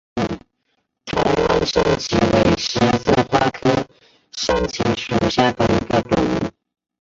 台湾山荠为十字花科山荠属下的一个种。